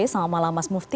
selamat malam mas mufti